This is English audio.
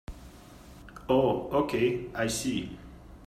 Oh okay, I see.